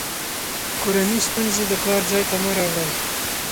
کورني ستونزې د کار ځای ته مه راوړئ.